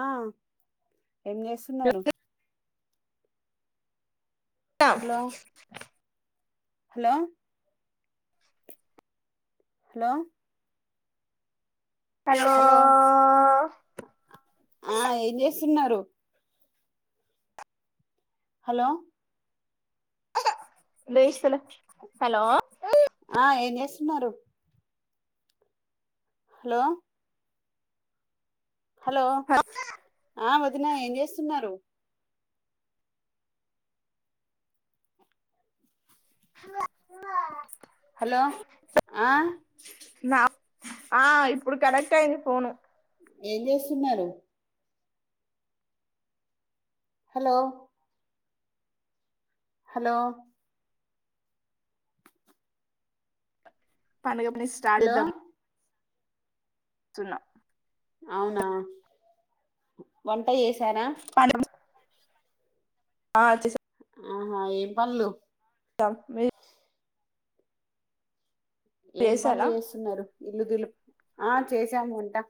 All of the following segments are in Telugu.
ఆ ఏం చేస్తున్నారు హలో హలో హలో హలో సున్నారు హలో లేష్ ఫెలో హలో ఆ ఏం చేస్తున్నారు హలో హలో ఆ వదిన ఏం చేస్తున్నారు హలో ఆ నా ఆ ఇప్పుడు కనెక్ట్ అయింది ఫోను ఏం చేస్తున్నారు హలో హలో పండగ పని స్టార్ట్ హలో చేద్దాం సున్నా అవునా క్క చేసారా పండుగ ఆ ఆహా ఏ పనులు [inaudible] ఏం పనులు చేసారా చేస్తున్నారు ఆ చేసాము వంటా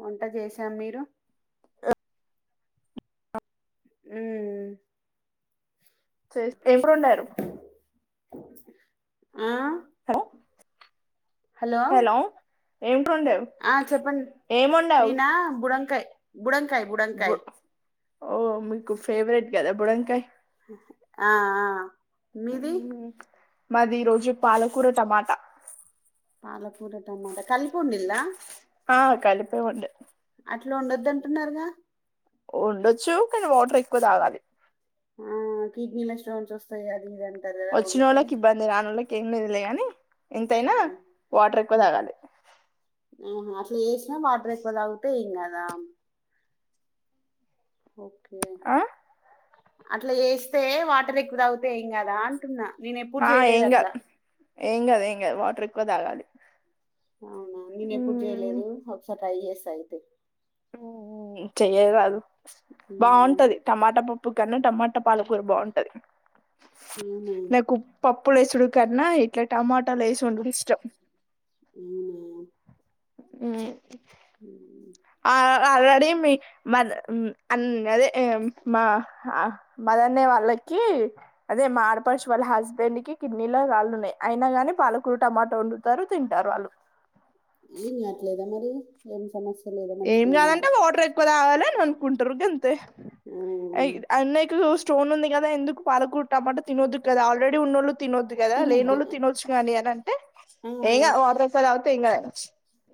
వంట చేసాం మీరు ఉమ్ ఎప్పుడొండ్యరు ఆ హలో హలో ఏమి ఆ చెప్పంన్ నేనా బుడంకాయ్ బుడంకాయ్ బు బుడంకాయ్ ఓ మీకు ఫేవరెట్ కదా బుడంకాయ్ ఆ ఆ మీది మాది ఈ రోజు పాలకూర టమాటా పాలకూర టమాట కల్పూ వండిందా ఆ కలిపే ఉండిన్ అట్లా వండదంటున్నారుగా ఉండొచ్చు కానీ వాటర్ ఎక్కువ తాగాలి ఆ కిడ్నీలో స్టోన్స్ వస్తాయి ఇది అంటారు కదా వండితే వచ్చినోళ్ళకి ఇబ్బంది రానోళ్లు ఏం లేదులే గాని ఎంతైనా అవును. వాటర్ ఎక్కువ తాగాలి ప్లేస్ [inaudible] వాటర్ ఎక్కువ తాగితే ఏం కాదు రాం ఆ అట్లా చేస్తే వాటర్ ఎక్కువ తాగుతే ఏం కదా అంటున్నా నేను ఎప్పుడు ఆ చేయలేదు ఏం అట్లా గాదు ఏం గాదు ఏం గాదు వా ట్రేక్కువ తాగాలి అవునా నేను ఎప్పుడు ఉమ్, చేయలేదు ఒకసారి ట్రై చేస్తా అయితే చేయరాదు ఉమ్, బాగుంటది టమాటా పప్పు కన్నా టమాటా పాలకూర బాగుంటది అవునా నాకు పప్ పప్పులు వేసుడు కన్నా ఇట్లా టమాటాలు యేసుడు హుమ్మ్ ఉ హ ఆ ఆల్రెడీ మీ మ అదే మా మధు అన్నయ్యవాళ్ళకి అదే మాడపరచు వాళ్ళ హస్బెండ్ కి కిడ్నీలో రాళ్ళు ఉన్నాయి అయినా గాని పాలకూలు టమాటా వండుతారు తింటారు వాళ్ళు ఏం కావట్లేదా మరి ఏం సమస్య లేదా ఏం మంచిగా కాదంటే ఉన్నారు వాటర్ ఎక్కువ తావాలి అని అనుకుంటారు గంతే ఆ అన్నయకుచూ స్టోన్ ఉంది కదా ఎందుకు పాలకూర టమాట తినొద్దు కదా ఆల్రెడీ ఉన్నళ్ళు తినొద్దు కదా తినొద్దు లేనోళ్ళు తినొచ్చు కాగానీ అని అంటే ఆ వాటర్ ఎక్కువ తాగితే ఏం కాదు [unintelligible] అస్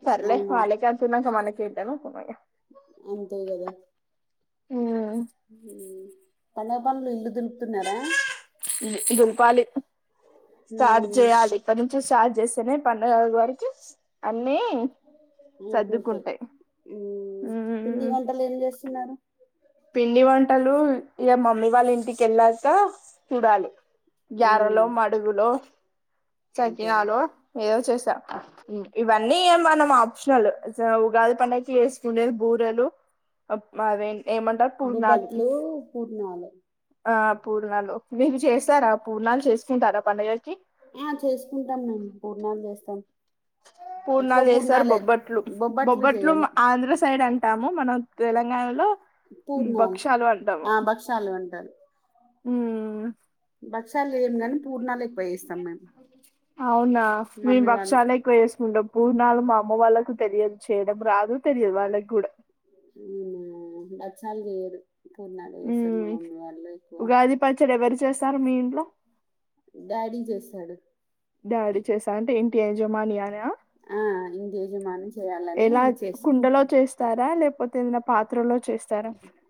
సర్లే అవునా వాళ్ళకి అంత ఉన్నాక మనకి జనో సమయ అంతే కదా ఆ హ పండె పనులు ఇల్లు దిలుపుతున్నారా సూపాాలి స్టార్జే ఉమ్, యాలి తను కొంచ స్టార్ట్ చేస్తానే పండగలవరకీ అన్నీ సర్దుకుంటాయి పిన్ని మ్మ్ వంటలు ఏం చేస్తున్నారు పిండి వంటలు ఇ మమ్మీ వాళ్ళ ఇంటికి వెళ్ళాక చూడాలి గ్యారలో ఉమ్, మడుగులో అంతే చక్యానాలో ఏదో చేసా ఇవన్నీ ఏ మనం మా క్షణలు ఉగాది పండగకి వేసుకునే బూరలు అ ఏమంటారు బొబ్బట్లు పూర్ణాలస్ పూర్ణాలు ఆ పూణలో లో మీవి చేస్తారా పూర్ణాలు చేసుకుంటారా పండుగకి ఆ చేసుకుంటాం మేము పూర్ణాలు చేస్తాం ఎక్కువ పూర్ణలు చేశారు పూర్ణాలే బొబ్బట్లు బొబ్బట్లు ఆంధ్ర సైడ్ అంటాము మనం తెలంగాణలో పూర్ణాలు భక్షాలు అంటాము ఆ భక్షాలు హ బక్షాల్ చేయం మ్ గానీ పూర్ణాలె అవునా మేము మమ్మీ వాళ్ళు భక్షాల ఎక్కువ చేసుకుంటాం పునాలు మా అమ్మ వాళ్ళకు తెలియదు చేయడం రాదు తెలియదు వాళ్ళకి కూడా అన్న క్షాల గేరు పూర్ణాలసమ ఉమ్ అళ్ల్ అకువ ఉగాది పచ్చడి ఎవరు చేస్తారు మీ ఇంట్లో డాడీ చేస్తాడు డా చేసా అంటే ఏంటి ఏంజోమాని ఆ ఇంకేజమాను చేయాలని చేస్తా స్తారా లేకపోతే ఏదైనా పాత్రలో చేస్త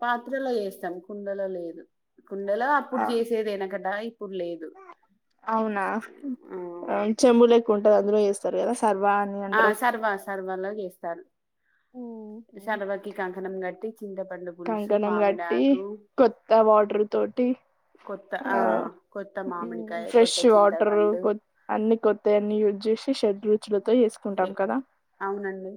పాత్రలో చేస్తాను కు ఉండల లేదు కుండెలో అప్పుడు ఆ చేసేదినకట అవునా ముల కుంటారు అందులో చేస్తారు కదా సర్వా అని ఆ అంటారు సర్బా సర్బలోగేస్త సార్ ఉమ్ శాలవాకి కాంకణం కట్టి చింతపండు పులుసు కంకణం కట్టి మామిడాకు కొత్త వాటర్ తోటి ఆ కొత్త మామిడికాయ ఫ్రెష్ కొత్త వాటరు చింతపండు కొ అన్ని కొత్త అన్ని యూజ్ చేసి రుచులతో చేసుకుంటాం కదా అవునండి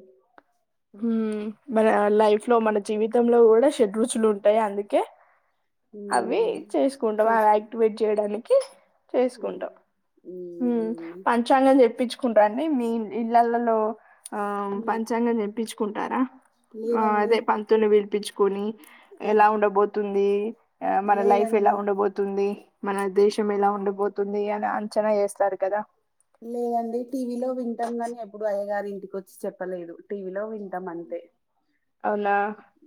మన లైఫ్ లో మన జీవితం మొతంలో కూడా షడ్ రుచులు ఉంటాయి అందుకే అవి హ్మ్ చేసుకుంటాం అవి చేస్తు యాక్టివేట్ చేయడానికి కి అవును చేసుకుంటాం హ్మ్ అవునండి పంచాంగం చెప్పించు కుంటారం అడి మీ ఇళ్లలలో ఆ లే పంచాంగం నపించు కుంటారా ఆ లేదండి అదే పతును బీల్ ుకని ఎలా ఆహా ఉండబోతుంది మన లైఫ్ ఎలా లేదండి ఉండబోతుంది మన దేశం ఎలా ఉండబోతుంది అ అంచనా చేస్తారు కదా గారు ఇంటికి వచ్చి చెప్పలేదు టీవీలో వింటాం అంతే అవునా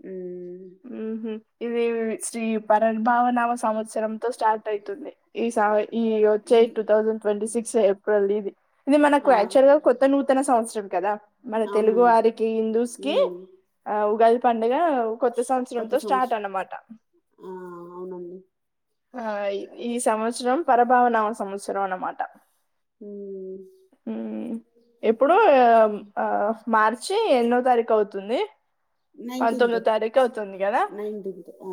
హ్మ్ ఉహుమ్. [unintelligible] శ్రీమ్. పరర్భావనామ సంవత్సరం. తో స్టార్ట్ అయితుంది ఈ సావయ్. ఈ ఓచ్చే ఈ two thousand twenty six April ఇది. ఇది మనకు ఆ ఆక్చువల్ గా కొత్త నూత్. త్తన సంవత్సరం కదా. మన తెలుగు అవునండి వారికి, హిందూస్ కి హ్మ్ ఆ ఉగాద్. పండగావ్. కొత్త కొత్త సంవత్సరంతో సంవత్స స్టార్ట్ అన్నమాట. ఆ అవునండి ఆ ఈ సంవత్సరం పరభవనామ సంవత్సరం అన్నమాట. హ్మ్ హుమ్మ్ ఎప్పుడు ఆ. ఆ మార్చి ఎన్నో తారీక్ అవుతుంది. నైన్టీన్త్ పంతొమ్మిదో తారీక్ అవుతుంది కదా నైన్టీన్త్ ఆ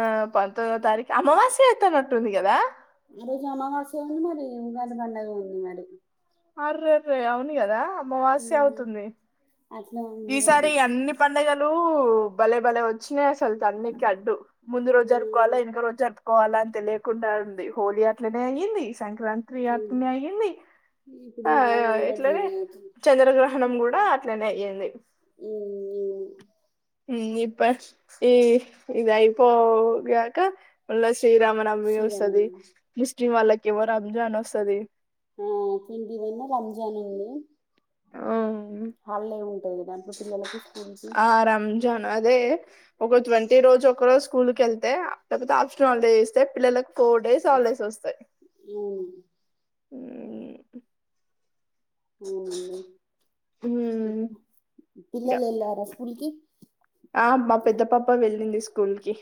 ఆ. పంతొమ్మిదో తారీక్ అమావాస్య అయితునట్టుంది కదా. ఆరోజు అమావాస్య ఉంది మరి, ఉగాది పండగ ఉంది మరి. అరర్రె అవును గదా. అమవాస్య హ్మ్ అవుతుంది. అట్లా ఈసారి ఉంది. అన్ని పండగల్. లు బలే బలే ఓచ్చినాయి అసలు తంన్నీకి అడ్డు. ముందు రోజు జరుపుకోవాలా, ఎనక రోజు జరుపుకోవాలా, అని తెలియకుండా ఉంది హోలీ అట్లనే అయ్యింది. సంక్రాంత్రి సం అట్నే అయ్యింది, ఇప్పుడు ఆ ఉగాది కూడా ఎట్లనే అట్లనే అవుతుంది చంద్రగ్రహ. నం కూడా అట్లానే అయ్యింది. ఈ ఇప్ప. ఈ ఇదియిపోగాక మల్లచ్. శ్రీరామనవమి ఓస్తాది. శ్రీరామనవమి హిందీ వాళ్ళకేమో రంజన్ ఓస్తాది. ఆ పిరిలు ఉన్ను, రంజాన్ ఉన్నాయి. అవును. [unintelligible] పోయినంకా పిల్లలకి స్కూల్కి. ఆ రంజాన్ అదే ఒక ట్వంటీ రోజు ఒక రోజు స్కూల్కి ఎళ్తే లేకపోతే ఆప్షనల్ డే ఇస్తే పిల్లలకు. ఫోర్ డేస్ హాలిడేస్ ఓస్తాయి. అవును అవునండి హ్మ్ ఇగ పిల్లలూయేల్లారా స్కూల్కి ఆ మా పెద్ద పాప వెళ్ళింది స్కూల్ కి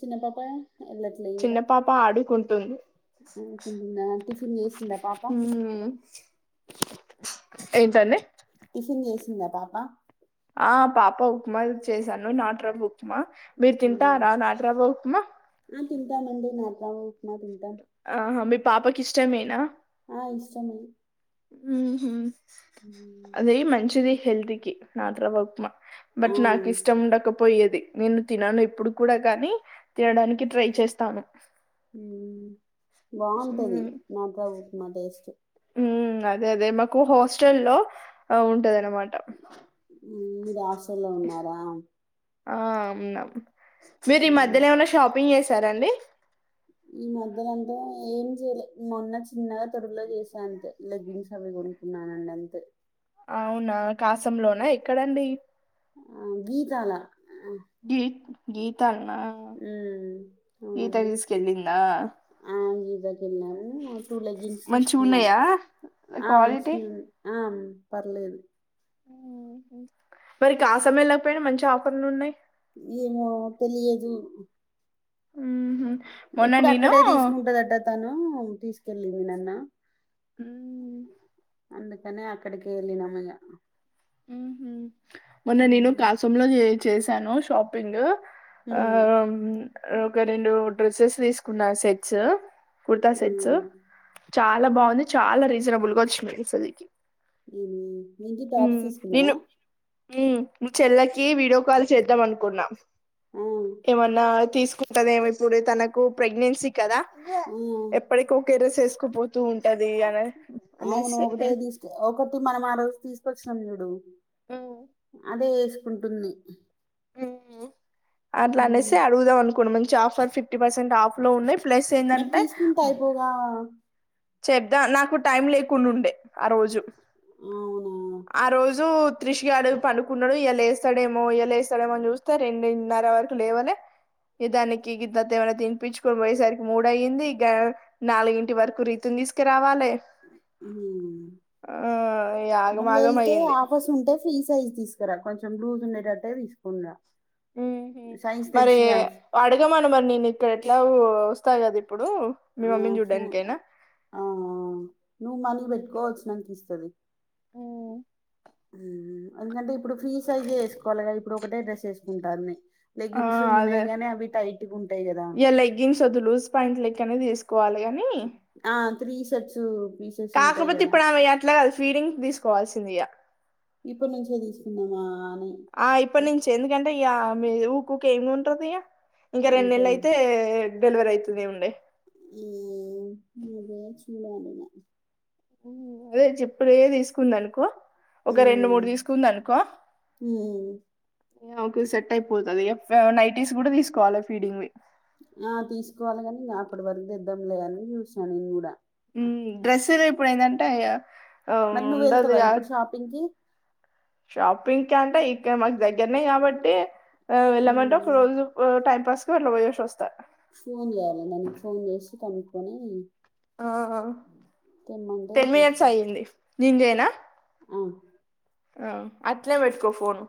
చిన్నపాప చిన్న పాప ఆడుకుంటు అ అ టిఫిన్ చేసిందా పాప ఏంటండీ ద పాపా ఆ పాప ఉప్మా చేశాను నటు రవ్వ ఉప్మా మీరు తింటా నటు రవ్వ ఉప్మా తింటం అండి నటు రవ్వ ఉప్మా తింతా ఆహా మీ పాపకి ఇష్టమేనా ఆ ఇష్టమ ఉ అదే మంచిది హెల్దికి నటు రవ్వ ఉప్మా బట్ ఆ నాకు ఇష్టముండక పోయేది నేను తినను ఎప్పుడు కూడా కాని తినడానికి ట్రై చేస్తాను బంటది హ్మ్. నటు రవ్వ మా టేస్టు అదే అదే మాకు హాస్టల్ లో ఉంటది అన్నమాట మీరు హాస్టలో ఉన్నారా ఆ అవునా మీరు ఇ మదలే ఏం అన షాపింగ్ సరండి ఈ మధ్యలో అంతా ఏం చేయలే మొన్న చిన్నగా తొరలో చేసా అంతే లెగగింగ్స్ అవి కొనుకున్నానండి అంతే అవునా కాసంలోనా ఎక్కడండి గీతాల జ గీతాల ఆ మ్మ్ గీత అవునండి తీసుకెళ్లిందా వెళ్ళాము టూ లెగిన్స్ తీసుకున్నాను మంచిగున్నయా ఆ మంచి క్వాలిటీ? న ఆ పర్లేదు మరి కసం లోకి ఏళ్లకపోయినా మంచి ఆఫర్లు ఉన్నాయి ఏమో తెలియదు ఉ ఎప్పుడు అక్కడే తీసుకుంటదట తను తీసుకు కెలింది నన్న అ అందుకనే అక్కడికి వెళ్ళినమగా ఉ మొన్న నేను ఇగ కాసంలో చేసి ను షాపింగ్ ఆ హ్మ్. ఒక రెండు డ్రెస్సెస్ తీసుకున్నా సెచ్ కుర్తా ఆ! సెట్స్ చాలా బాగుంది చాలా రీజనబుల్ గా వచ్చి మసదికి ఇ ఏంటి టాప్స్ తీసుకున్నావా నేను మీ చెల్లకి వీడియో కాల్ చేద్దాం అనుకున్నాం ఆ! ఏమనా తీసుకుంటదేమి ఇప్పుడు తనకు ప్రెగ్నెన్సీ కదా ఆ! ఎప్పుడే కోక ర శేష తీసుకుపోతూ ఉంటది అని అవును ఒకటే తీసు ఒకటి మనం ఆ రోజు తీసుకొచ్చ షండు అదే చేసుకుంటుంది అట్లా అనేసి అడుగుదాం అనుకోండి మంచి ఆఫర్ ఫిఫ్టీ పర్సెంట్ ఆఫ్ లో ఉన్నాయి ప్లస్ మరి తీసుకుంటా అయిపోగా చెబదా నాకు టైం లేకుండా ఉండే ఆ రోజు అవునా? ఆ రోజు తిష్గాడు పండుకున్నాడు ఇలా వేస్తాడేమో ఇలా వేస్తాడేమో అని చూస్తే రెండున్నర వరకు లేవలే దానికి గ ఏమైనా తినిపించుకొని పోయేసరికి మూడ అయ్యింది ఇ నాలుగుంటి వరకు తంగిస్కి రావాల ఇగ మళ్ళీ ఆగమాగం వెళ్తే అయ్యింది ఆపస్ ఉంటే ఫీ సైజ తీసుకురా కొంచెం లూజ్ ఉనేటట్టటు తీసుకురా ఉ మరి అడగమను మరి నేను ఇక్కడ ఎట్లా వస్తాది ఆ హు నువ్వు మనీ ఉమ్ పెట్టుకోవాల్సి అనిపిస్తాది. ఉమ్. హు ఎందుకంటే ఇప్పుడు ఫ్రీ సైజ్ ఏసుకోవాలిగా ఇప్పుడు ఒకటే డ్రెస్ వేసుకుంటారని ఆ అదే ఉంటాయి గదా! ఇ లెగ్గిన్స్ అది లూస్ పాయింట్ లెక్క అనే తీసుకు కోవాలి గాని త్రీ షర్ట్స్ కాకపోతే ఇప్పుడు ఆమె ఎట్లా ఫీడింగ్ తీసుకోవాలి. సింధియా ఇప్పటి నుంచే తీసుకుందామా అని ఉక్ ఊకె ఎం కొంటారు ఇగ ఇంకా రెండు అంతే నెలల అండి. అయితే డెలివరీ అయతూనే ఉండే హ్మ్. [unintelligible] ఉ అదే ఇప్పుడే తీసుకుందనుకో ఒక రెండు మూడు హ్మ్. తీసుకుంద అనుకో హ్మ్. ఒక సెట్ అయిపోతుది నైటీస్ కూడా తీసుకోవాలి ఫీడింగ్ వి ఆ తీసుకోవాలి కాని ఇంకా అప్పటి వరకు తెద్దాంలేగాని చూసాను నేను కూడా హు డ్రెస్ ఇప్పుడు ఏందంటా ఇగ మరి నువ్వు వెళ్తావా ఇప్పుడు షాపింగ్ కి షాపింగ్ క అంటే ఇక మాకు దగ్గరనే కాబట్టి వెళ్ళమంటే ఒక హ్మ్. రోజు టై ఫస్ట్ అట్లా పోయేసి వస్తా ఫోన్ చేయాల దానికి ఫోన్ చేసి కనుక్కొని ఆ తెమ్మంటే టెన్ మినిట్స్ అయ్యింది. నేను చేయనా హా ఆ అట్లే పెట్టుకో ఫోన్